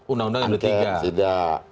undang undang md tiga angket tidak